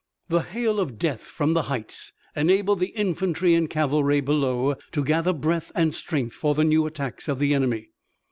The hail of death from the heights enabled the infantry and cavalry below to gather breath and strength for the new attacks of the enemy.